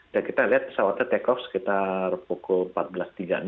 dan kita lihat pesawatnya take off sekitar pukul empat belas tiga puluh enam